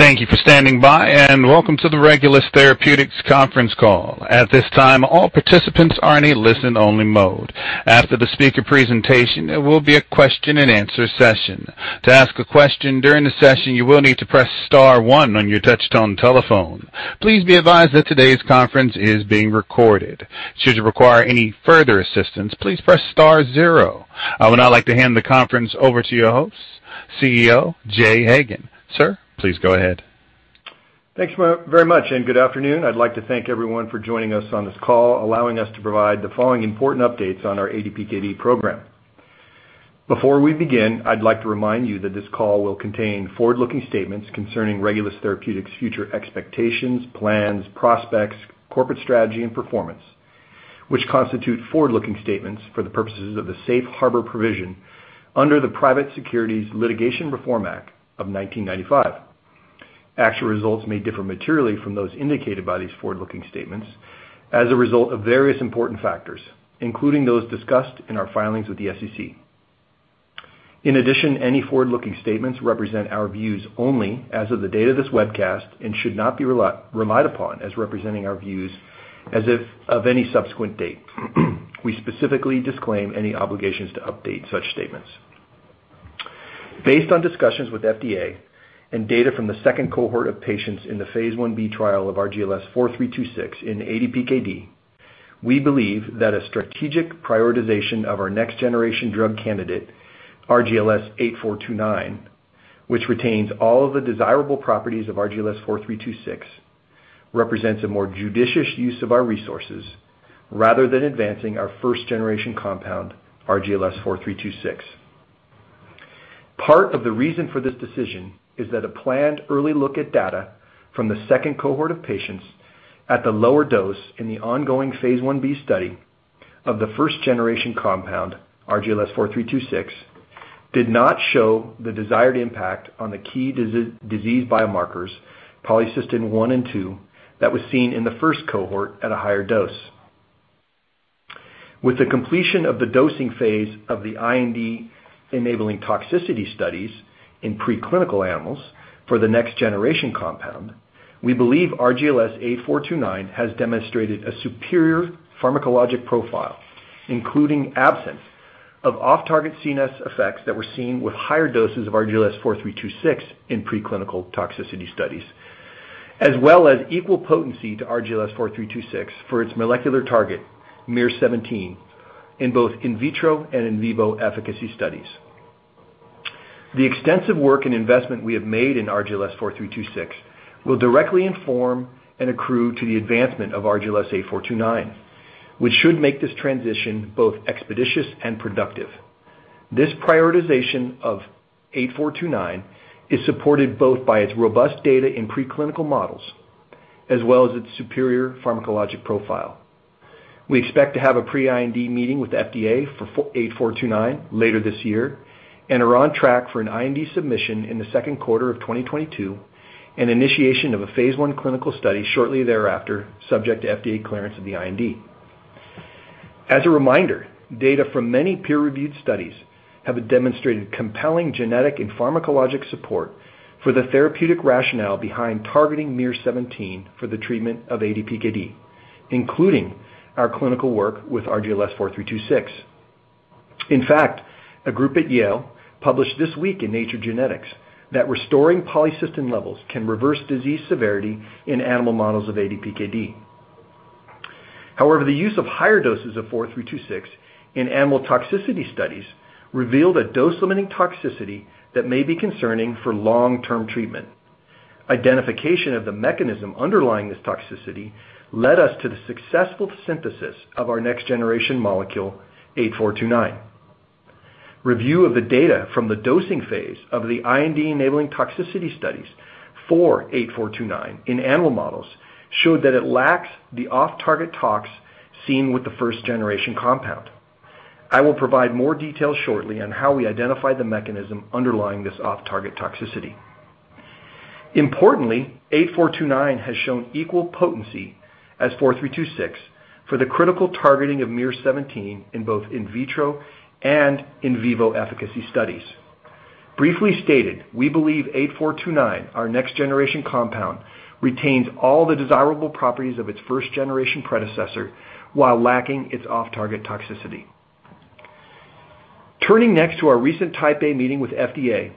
Thank you for standing by, and welcome to the Regulus Therapeutics conference call. At this time, all participants are in a listen-only mode. After the speaker presentation, there will be a question and answer session. To ask a question during the session, you will need to press star one on your touch-tone telephone. Please be advised that today's conference is being recorded. Should you require any further assistance, please press star zero. I would now like to hand the conference over to your host, CEO, Jay Hagan. Sir, please go ahead. Thanks very much, and good afternoon. I'd like to thank everyone for joining us on this call, allowing us to provide the following important updates on our ADPKD program. Before we begin, I'd like to remind you that this call will contain forward-looking statements concerning Regulus Therapeutics' future expectations, plans, prospects, corporate strategy, and performance, which constitute forward-looking statements for the purposes of the Safe Harbor provision under the Private Securities Litigation Reform Act of 1995. Actual results may differ materially from those indicated by these forward-looking statements as a result of various important factors, including those discussed in our filings with the SEC. In addition, any forward-looking statements represent our views only as of the date of this webcast and should not be relied upon as representing our views as of any subsequent date. We specifically disclaim any obligations to update such statements. Based on discussions with FDA and data from the second cohort of patients in the phase I-B trial of RGLS4326 in ADPKD, we believe that a strategic prioritization of our next-generation drug candidate, RGLS8429, which retains all of the desirable properties of RGLS4326, represents a more judicious use of our resources rather than advancing our first-generation compound, RGLS4326. Part of the reason for this decision is that a planned early look at data from the second cohort of patients at the lower dose in the ongoing phase I-B study of the first-generation compound, RGLS4326, did not show the desired impact on the key disease biomarkers, polycystin-1 and 2, that was seen in the first cohort at a higher dose. With the completion of the dosing phase of the IND-enabling toxicity studies in pre-clinical animals for the next-generation compound, we believe RGLS8429 has demonstrated a superior pharmacologic profile, including absence of off-target CNS effects that were seen with higher doses of RGLS4326 in pre-clinical toxicity studies, as well as equal potency to RGLS4326 for its molecular target, miR-17, in both in vitro and in vivo efficacy studies. The extensive work and investment we have made in RGLS4326 will directly inform and accrue to the advancement of RGLS8429, which should make this transition both expeditious and productive. This prioritization of 8429 is supported both by its robust data in pre-clinical models as well as its superior pharmacologic profile. We expect to have a pre-IND meeting with FDA for 8429 later this year and are on track for an IND submission in the second quarter of 2022 and initiation of a phase I clinical study shortly thereafter, subject to FDA clearance of the IND. As a reminder, data from many peer-reviewed studies have demonstrated compelling genetic and pharmacologic support for the therapeutic rationale behind targeting miR-17 for the treatment of ADPKD, including our clinical work with RGLS4326. In fact, a group at Yale published this week in "Nature Genetics" that restoring polycystin levels can reverse disease severity in animal models of ADPKD. However, the use of higher doses of 4326 in animal toxicity studies revealed a dose-limiting toxicity that may be concerning for long-term treatment. Identification of the mechanism underlying this toxicity led us to the successful synthesis of our next-generation molecule, 8429. Review of the data from the dosing phase of the IND-enabling toxicity studies for 8429 in animal models showed that it lacks the off-target tox seen with the first-generation compound. I will provide more details shortly on how we identified the mechanism underlying this off-target toxicity. Importantly, 8429 has shown equal potency as 4326 for the critical targeting of miR-17 in both in vitro and in vivo efficacy studies. Briefly stated, we believe 8429, our next-generation compound, retains all the desirable properties of its first-generation predecessor while lacking its off-target toxicity. Turning next to our recent Type A meeting with FDA.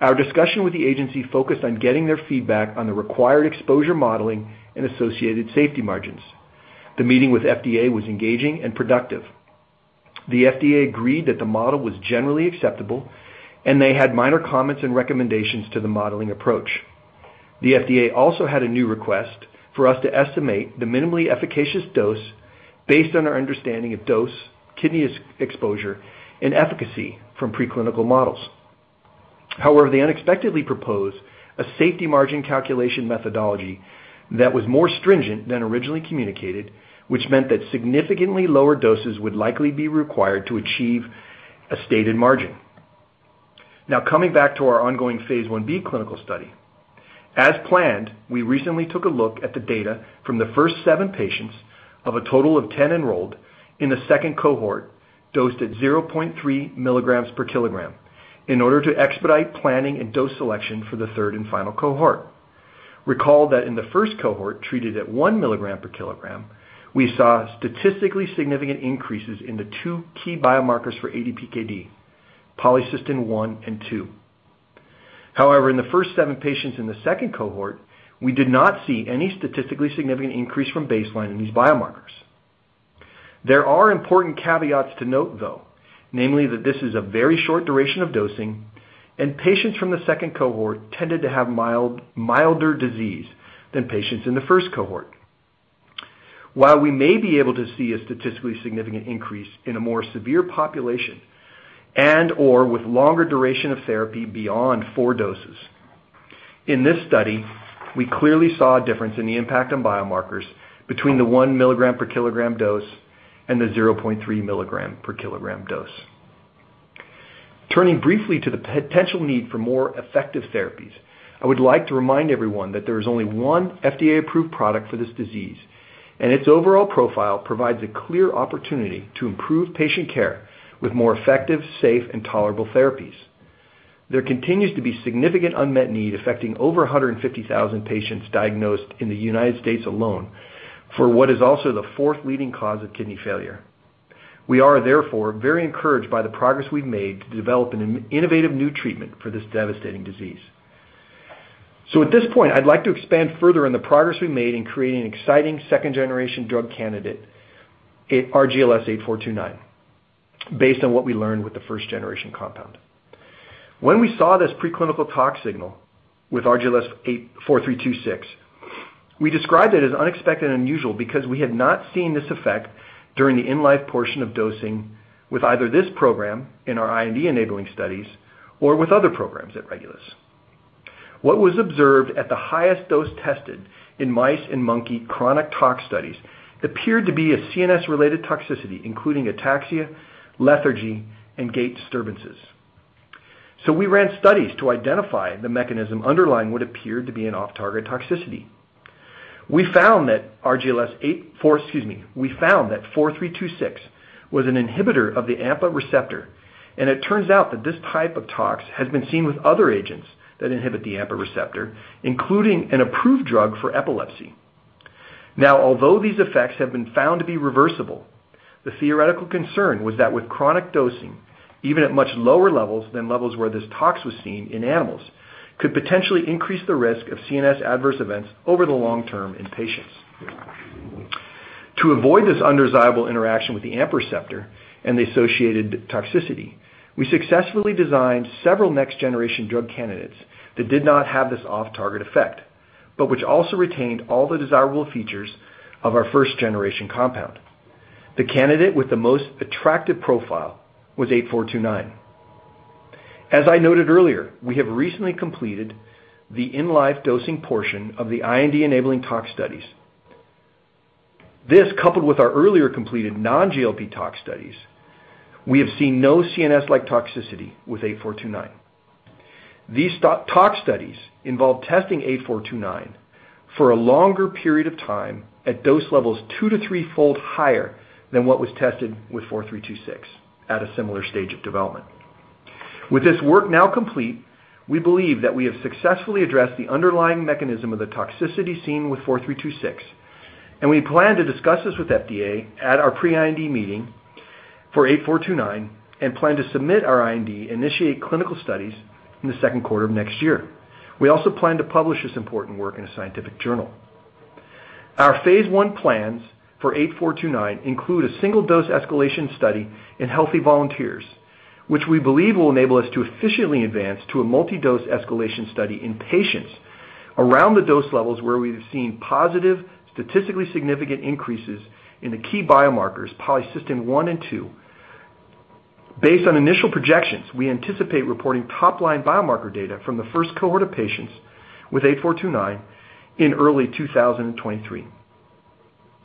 Our discussion with the agency focused on getting their feedback on the required exposure modeling and associated safety margins. The meeting with FDA was engaging and productive. The FDA agreed that the model was generally acceptable. They had minor comments and recommendations to the modeling approach. The FDA also had a new request for us to estimate the minimally efficacious dose based on our understanding of dose, kidney exposure, and efficacy from pre-clinical models. They unexpectedly proposed a safety margin calculation methodology that was more stringent than originally communicated, which meant that significantly lower doses would likely be required to achieve a stated margin. Coming back to our ongoing phase I-B clinical study. As planned, we recently took a look at the data from the first seven patients of a total of 10 enrolled in the second cohort. Dosed at 0.3 mg/kg in order to expedite planning and dose selection for the third and final cohort. Recall that in the first cohort, treated at 1 mg/kg, we saw statistically significant increases in the two key biomarkers for ADPKD, polycystin-1 and 2. In the first seven patients in the second cohort, we did not see any statistically significant increase from baseline in these biomarkers. There are important caveats to note, though, namely that this is a very short duration of dosing and patients from the second cohort tended to have milder disease than patients in the first cohort. While we may be able to see a statistically significant increase in a more severe population and/or with longer duration of therapy beyond four doses. In this study, we clearly saw a difference in the impact on biomarkers between the 1 mg/kg dose and the 0.3 mg/kg dose. Turning briefly to the potential need for more effective therapies, I would like to remind everyone that there is only one FDA-approved product for this disease, and its overall profile provides a clear opportunity to improve patient care with more effective, safe, and tolerable therapies. There continues to be significant unmet need affecting over 150,000 patients diagnosed in the United States alone for what is also the fourth leading cause of kidney failure. We are therefore very encouraged by the progress we've made to develop an innovative new treatment for this devastating disease. At this point, I'd like to expand further on the progress we've made in creating an exciting second-generation drug candidate, RGLS8429, based on what we learned with the 1st-generation compound. When we saw this preclinical tox signal with RGLS4326, we described it as unexpected and unusual because we had not seen this effect during the in-life portion of dosing with either this program in our IND-enabling studies or with other programs at Regulus. What was observed at the highest dose tested in mice and monkey chronic tox studies appeared to be a CNS-related toxicity, including ataxia, lethargy, and gait disturbances. We ran studies to identify the mechanism underlying what appeared to be an off-target toxicity. We found that 4326 was an inhibitor of the AMPA receptor, and it turns out that this type of tox has been seen with other agents that inhibit the AMPA receptor, including an approved drug for epilepsy. Although these effects have been found to be reversible, the theoretical concern was that with chronic dosing, even at much lower levels than levels where this tox was seen in animals could potentially increase the risk of CNS adverse events over the long term in patients. To avoid this undesirable interaction with the AMPA receptor and the associated toxicity, we successfully designed several next-generation drug candidates that did not have this off-target effect, but which also retained all the desirable features of our first-generation compound. The candidate with the most attractive profile was 8429. As I noted earlier, we have recently completed the in-life dosing portion of the IND-enabling tox studies. This, coupled with our earlier completed non-GLP tox studies, we have seen no CNS-like toxicity with 8429. These tox studies involved testing 8429 for a longer period of time at dose levels two- to three-fold higher than what was tested with 4326 at a similar stage of development. With this work now complete, we believe that we have successfully addressed the underlying mechanism of the toxicity seen with 4326, and we plan to discuss this with FDA at our pre-IND meeting for 8429 and plan to submit our IND initiate clinical studies in the second quarter of next year. We also plan to publish this important work in a scientific journal. Our phase I plans for 8429 include a single-dose escalation study in healthy volunteers, which we believe will enable us to efficiently advance to a multi-dose escalation study in patients around the dose levels where we have seen positive, statistically significant increases in the key biomarkers, polycystin-1 and 2. Based on initial projections, we anticipate reporting top-line biomarker data from the 1st cohort of patients with 8429 in early 2023.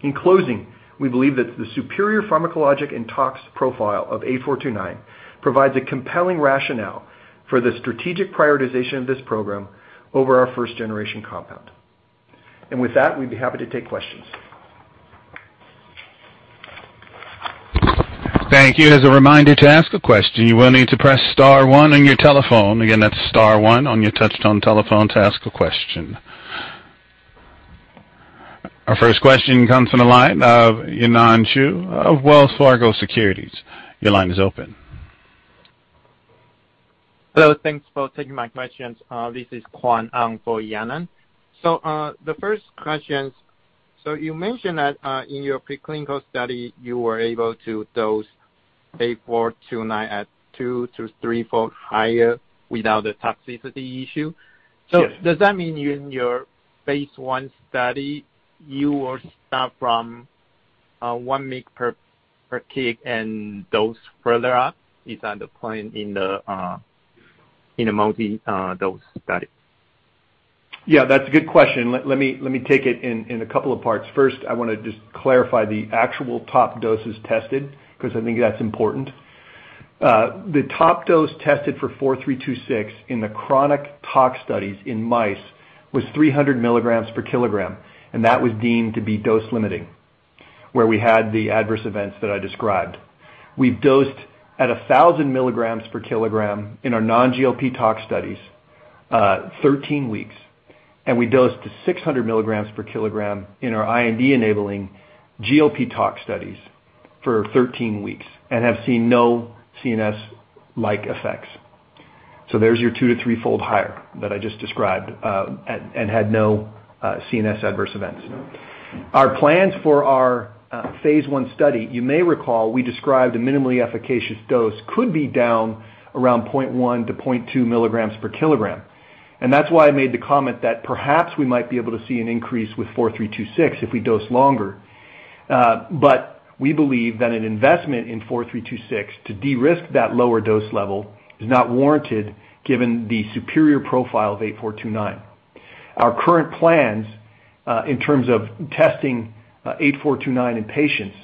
In closing, we believe that the superior pharmacologic and tox profile of 8429 provides a compelling rationale for the strategic prioritization of this program over our first-generation compound. With that, we'd be happy to take questions. Thank you. As a reminder, to ask a question, you will need to press star one on your telephone. Again, that's star one on your touchtone telephone to ask a question. Our first question comes from the line of Yanan Zhu of Wells Fargo Securities. Your line is open. Hello. Thanks for taking my questions. This is Kwan Hung for Yanan. The first question. You mentioned that in your preclinical study, you were able to dose 8429 at two- to three-fold higher without the toxicity issue. Yes. Does that mean in your phase I study, you will start from 1 mg/kg and dose further up? Is that the plan in the multi-dose study? Yeah, that's a good question. Let me take it in a couple of parts. First, I want to just clarify the actual top doses tested because I think that's important. The top dose tested for 4326 in the chronic tox studies in mice was 300 mg/kg, and that was deemed to be dose limiting, where we had the adverse events that I described. We dosed at 1,000 mg/kg in our non-GLP tox studies, 13 weeks, and we dosed to 600 mg/kg in our IND-enabling GLP tox studies for 13 weeks and have seen no CNS-like effects. There's your two to threefold higher that I just described, and had no CNS adverse events. Our plans for our phase I study, you may recall, we described a minimally efficacious dose could be down around 0.1 mg/kg-0.2 mg/kg. That's why I made the comment that perhaps we might be able to see an increase with 4326 if we dose longer. We believe that an investment in 4326 to de-risk that lower dose level is not warranted given the superior profile of 8429. Our current plans, in terms of testing 8429 in patients,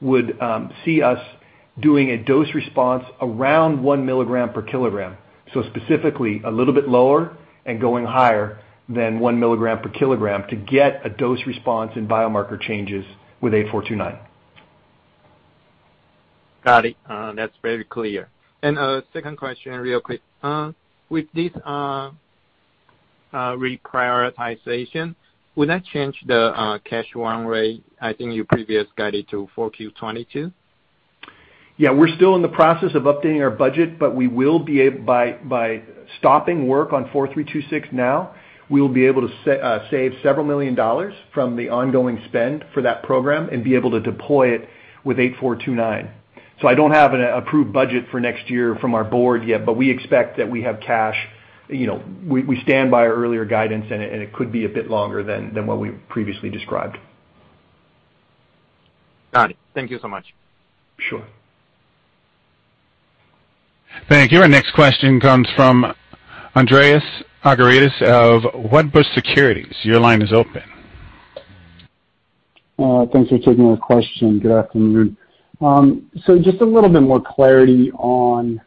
would see us doing a dose response around 1 mg/kg. Specifically, a little bit lower and going higher than 1 mg/kg to get a dose response and biomarker changes with 8429. Got it. That's very clear. Second question real quick. With this reprioritization, will that change the cash run rate? I think you previously guided to 4Q 2022. We're still in the process of updating our budget, but by stopping work on 4326 now, we will be able to save several million dollars from the ongoing spend for that program and be able to deploy it with 8429. I don't have an approved budget for next year from our board yet, but we expect that we have cash. We stand by our earlier guidance, and it could be a bit longer than what we previously described. Got it. Thank you so much. Sure. Thank you. Our next question comes from Andreas Argyrides of Wedbush Securities. Your line is open. Thanks for taking my question. Good afternoon. Just a little bit more clarity on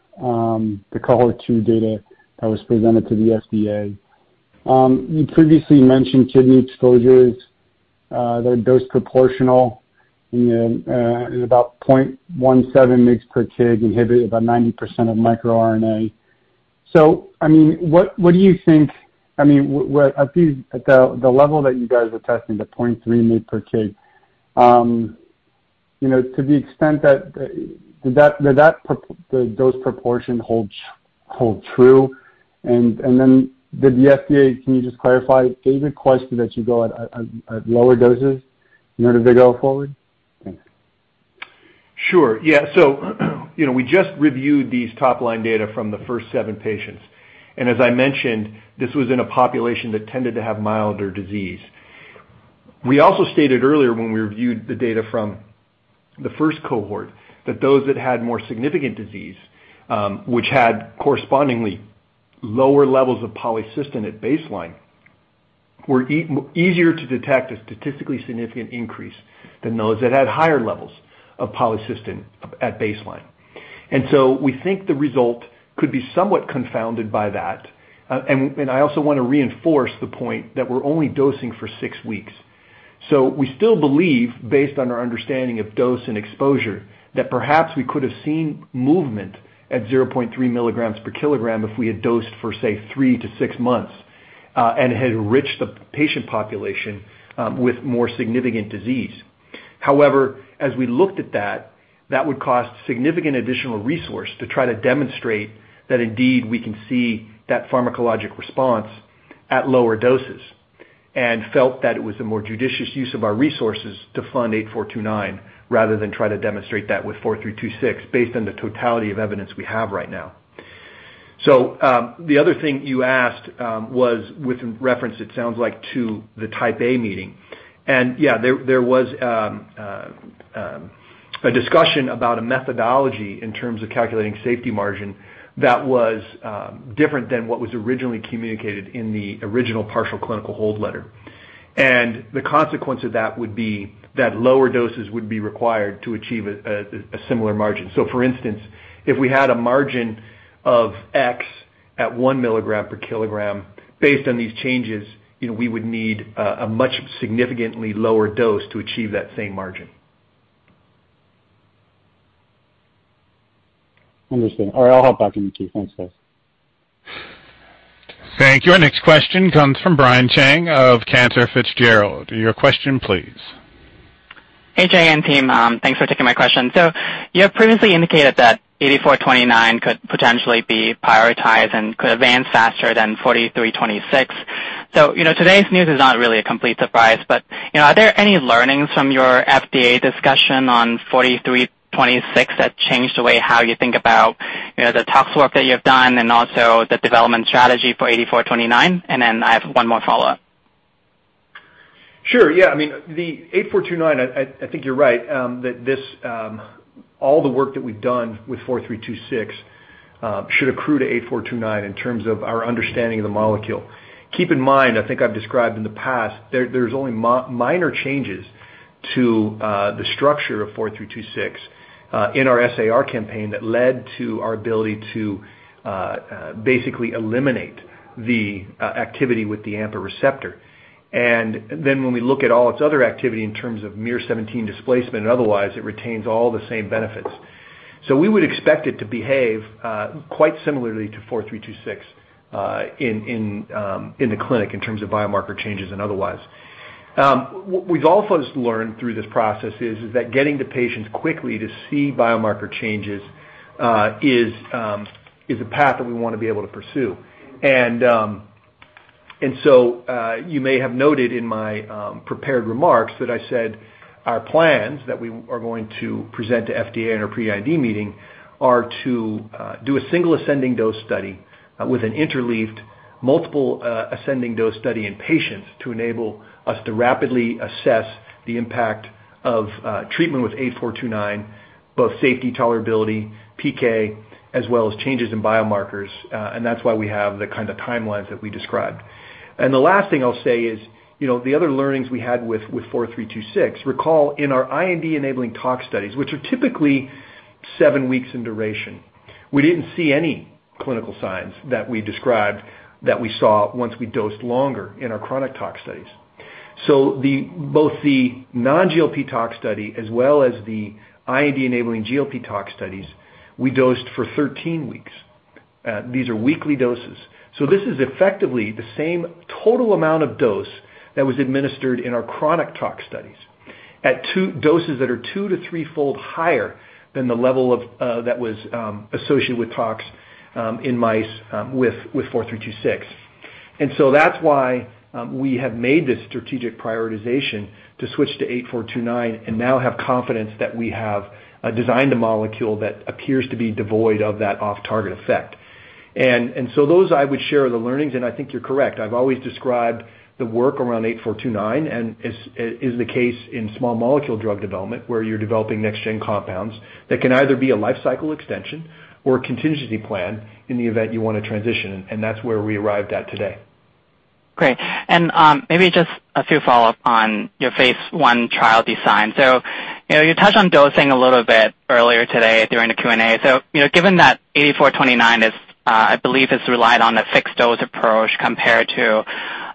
the cohort two data that was presented to the FDA. You previously mentioned kidney exposures that are dose proportional and about 0.17 mg/kg inhibited about 90% of microRNA. What do you think at the level that you guys are testing, the 0.3 mg/kg, to the extent that the dose proportion hold true? Did the FDA, can you just clarify, they requested that you go at lower doses in order to go forward? Thanks. Sure. Yeah. We just reviewed these top-line data from the first seven patients, and as I mentioned, this was in a population that tended to have milder disease. We also stated earlier when we reviewed the data from the first cohort, that those that had more significant disease, which had correspondingly lower levels of polycystin at baseline, were easier to detect a statistically significant increase than those that had higher levels of polycystin at baseline. We think the result could be somewhat confounded by that. I also want to reinforce the point that we're only dosing for six weeks. We still believe, based on our understanding of dose and exposure, that perhaps we could have seen movement at 0.3 mg/kg if we had dosed for, say, three to six months, and had enriched the patient population with more significant disease. However, as we looked at that would cost significant additional resource to try to demonstrate that indeed, we can see that pharmacologic response at lower doses, and felt that it was a more judicious use of our resources to fund 8429 rather than try to demonstrate that with 4326, based on the totality of evidence we have right now. the other thing you asked was with reference, it sounds like, to the Type A meeting. yeah, there was a discussion about a methodology in terms of calculating safety margin that was different than what was originally communicated in the original partial clinical hold letter. the consequence of that would be that lower doses would be required to achieve a similar margin. For instance, if we had a margin of X at 1 mg/kg, based on these changes, we would need a much significantly lower dose to achieve that same margin. Understand. All right, I'll hop back in the queue. Thanks, guys. Thank you. Our next question comes from Brian Cheng of Cantor Fitzgerald. Your question, please. Hey, Jay, and team. Thanks for taking my question. You have previously indicated that 8429 could potentially be prioritized and could advance faster than 4326. Today's news is not really a complete surprise, but are there any learnings from your FDA discussion on 4326 that changed the way how you think about the tox work that you have done and also the development strategy for 8429? I have one more follow-up. Sure. Yeah. The 8429, I think you're right, that all the work that we've done with 4326 should accrue to 8429 in terms of our understanding of the molecule. Keep in mind, I think I've described in the past, there's only minor changes to the structure of 4326 in our SAR campaign that led to our ability to basically eliminate the activity with the AMPA receptor. When we look at all its other activity in terms of miR-17 displacement and otherwise, it retains all the same benefits. We would expect it to behave quite similarly to 4326 in the clinic in terms of biomarker changes and otherwise. What we've also learned through this process is that getting to patients quickly to see biomarker changes is a path that we want to be able to pursue. You may have noted in my prepared remarks that I said our plans that we are going to present to FDA in our pre-IND meeting are to do a single ascending dose study with an interleaved multiple ascending dose study in patients to enable us to rapidly assess the impact of treatment with 8429, both safety, tolerability, PK, as well as changes in biomarkers, and that's why we have the timelines that we described. The last thing I'll say is, the other learnings we had with 4326, recall in our IND-enabling tox studies, which are typically seven weeks in duration, we didn't see any clinical signs that we described that we saw once we dosed longer in our chronic tox studies. Both the non-GLP tox study as well as the IND-enabling GLP tox studies, we dosed for 13 weeks. These are weekly doses. This is effectively the same total amount of dose that was administered in our chronic tox studies at doses that are two- to three-fold higher than the level that was associated with tox in mice with 4326. That's why we have made this strategic prioritization to switch to 8429 and now have confidence that we have designed a molecule that appears to be devoid of that off-target effect. Those I would share are the learnings, and I think you're correct. I've always described the work around 8429, and as is the case in small molecule drug development, where you're developing next-gen compounds, that can either be a life cycle extension or a contingency plan in the event you want to transition, and that's where we arrived at today. Great. Maybe just a few follow-up on your phase I trial design. You touched on dosing a little bit earlier today during the Q&A. Given that 8429, I believe, has relied on a fixed-dose approach compared to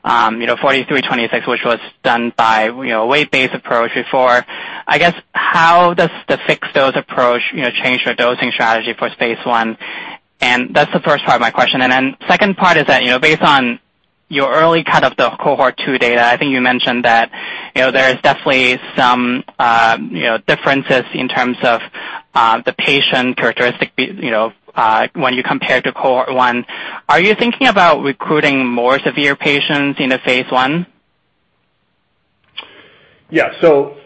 4326, which was done by a weight-based approach before, I guess how does the fixed-dose approach change your dosing strategy for phase I? That's the first part of my question. Then second part is that, based on your early cohort two data, I think you mentioned that there is definitely some differences in terms of the patient characteristic when you compare to cohort one. Are you thinking about recruiting more severe patients in the phase I? Yeah.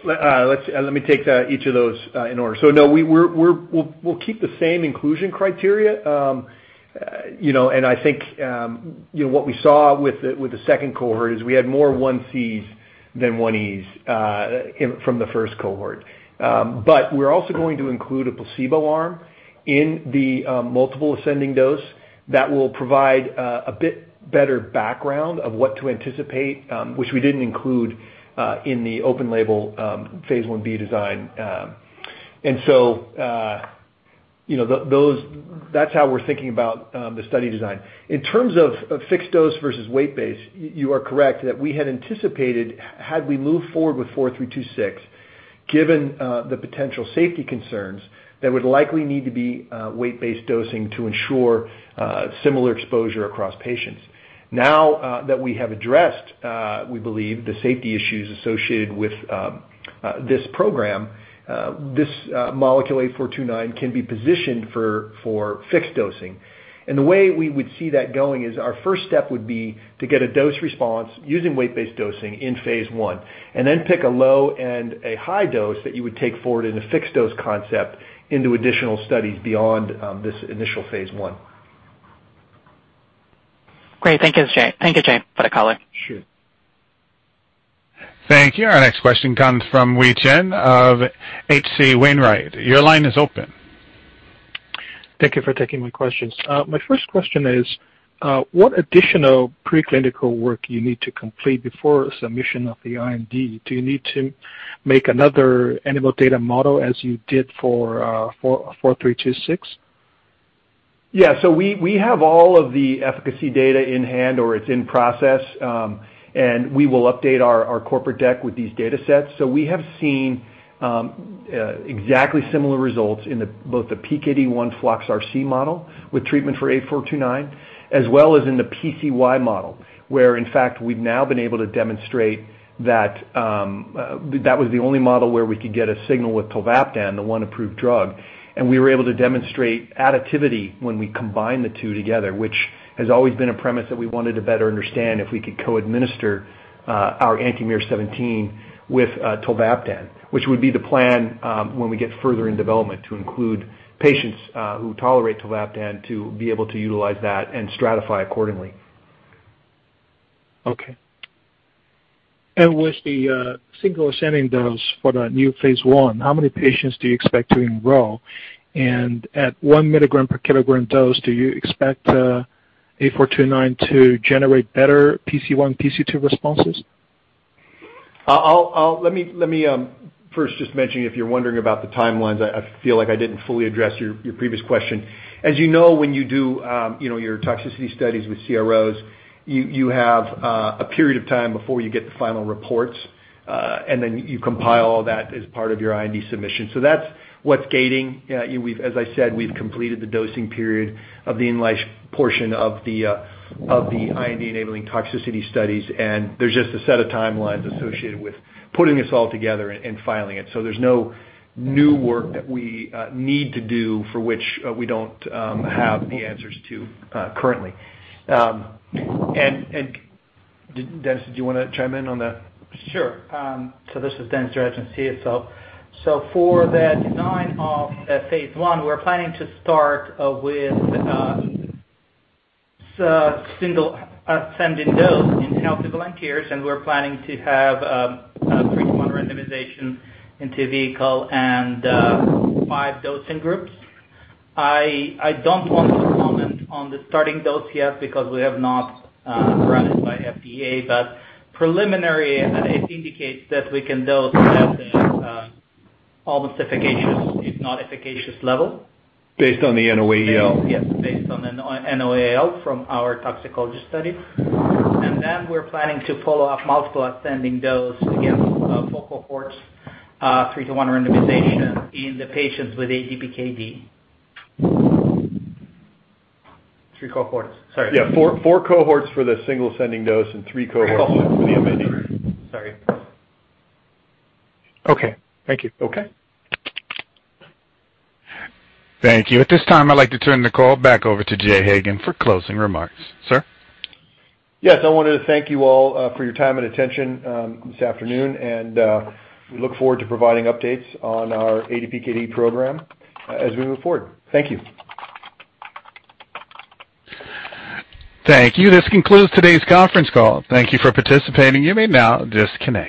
Let me take each of those in order. No, we'll keep the same inclusion criteria. I think what we saw with the second cohort is we had more 1Cs than 1Es from the first cohort. We're also going to include a placebo arm in the multiple ascending dose that will provide a bit better background of what to anticipate, which we didn't include in the open label phase I-B design. That's how we're thinking about the study design. In terms of fixed dose versus weight-based, you are correct that we had anticipated, had we moved forward with 4326, given the potential safety concerns, that would likely need to be weight-based dosing to ensure similar exposure across patients. Now that we have addressed, we believe, the safety issues associated with this program, this molecule 8429 can be positioned for fixed dosing. The way we would see that going is our first step would be to get a dose response using weight-based dosing in phase I, and then pick a low and a high dose that you would take forward in a fixed dose concept into additional studies beyond this initial phase I. Great. Thank you, Jay, for the color. Sure. Thank you. Our next question comes from Yi Chen of H.C. Wainwright. Your line is open. Thank you for taking my questions. My first question is what additional preclinical work you need to complete before submission of the IND? Do you need to make another animal data model as you did for 4326? Yeah. We have all of the efficacy data in hand, or it's in process, and we will update our corporate deck with these data sets. We have seen exactly similar results in both the PKD1 flox/RC model with treatment for 8429, as well as in the Pcy model, where in fact, we've now been able to demonstrate that that was the only model where we could get a signal with tolvaptan, the one approved drug. We were able to demonstrate additivity when we combined the two together, which has always been a premise that we wanted to better understand if we could co-administer our anti-miR-17 with tolvaptan. Which would be the plan when we get further in development to include patients who tolerate tolvaptan to be able to utilize that and stratify accordingly. Okay. With the single ascending dose for the new phase I, how many patients do you expect to enroll? At 1 mg/kg dose, do you expect 8429 to generate better PC1/PC2 responses? Let me first just mention, if you're wondering about the timelines, I feel like I didn't fully address your previous question. As you know, when you do your toxicity studies with CROs, you have a period of time before you get the final reports, and then you compile all that as part of your IND submission. That's what's gating. As I said, we've completed the dosing period of the portion of the IND-enabling toxicity studies, and there's just a set of timelines associated with putting this all together and filing it. There's no new work that we need to do for which we don't have the answers to currently. Denis, do you want to chime in on that? Sure. This is Denis Drygin, CSO. For the design of phase I, we're planning to start with single ascending dose in healthy volunteers, we're planning to have a 3:1 randomization into vehicle and five dosing groups. I don't want to comment on the starting dose yet because we have not run it by FDA, preliminary it indicates that we can dose at almost efficacious, if not efficacious level. Based on the NOAEL. Yes, based on NOAEL from our toxicology study. We're planning to follow up multiple ascending dose against four cohorts, three-to-one randomization in the patients with ADPKD. Three cohorts, sorry. Yeah, four cohorts for the single ascending dose and three cohorts for the ascending. Yeah. Sorry. Okay. Thank you. Okay. Thank you. At this time, I'd like to turn the call back over to Jay Hagan for closing remarks. Sir? Yes. I wanted to thank you all for your time and attention this afternoon. We look forward to providing updates on our ADPKD program as we move forward. Thank you. Thank you. This concludes today's conference call. Thank you for participating. You may now disconnect.